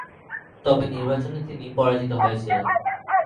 তবে নির্বাচনে তিনি পরাজিত হয়েছিলেন।